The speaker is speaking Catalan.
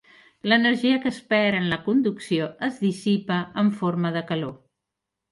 L'energia que es perd en la conducció es dissipa en forma de calor.